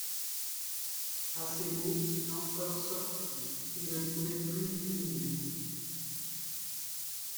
À ces mots l'empereur sortit : il ne pouvait plus y tenir.